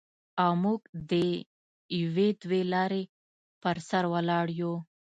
او موږ د یوې دوې لارې پر سر ولاړ یو.